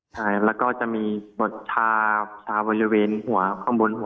ใช่แล้วก็จะมีบทชาบริเวณหัวข้างบนหัว